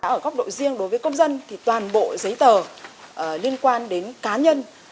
ở góc độ riêng đối với công dân thì toàn bộ giấy tờ liên quan đến cá nhân